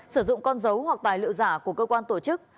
sử dụng con dấu hoặc tài liệu giả của cơ quan tổ chức